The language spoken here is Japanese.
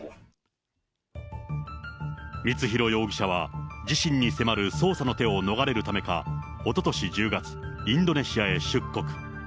光弘容疑者は、自身に迫る捜査の手を逃れるためか、おととし１０月、インドネシアへ出国。